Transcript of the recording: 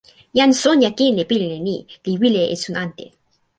jan Sonja kin li pilin e ni, li wile e esun ante.